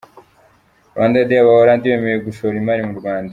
Rwanda Day: Abaholandi bemeye gushora imari mu Rwanda .